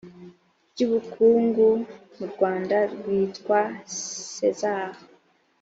byu ubukungu mu rwanda rwitwa sezar